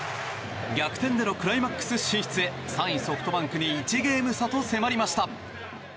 逆転でのクライマックス進出へ３位、ソフトバンクに１ゲーム差と迫りました。